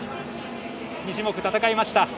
２種目戦いました。